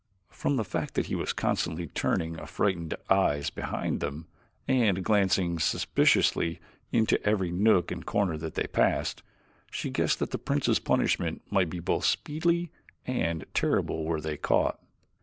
From the fact that he was constantly turning affrighted eyes behind them, and glancing suspiciously into every nook and corner that they passed, she guessed that the prince's punishment might be both speedy and terrible were he caught.